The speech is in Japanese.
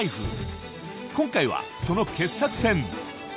今回はその傑作選